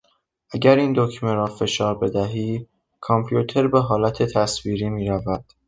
اگر این دکمه را فشار بدهی کامپیوتر به حالت تصویری میرود.